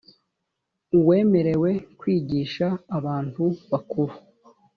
uwemerewe kwigisha abantu bakuru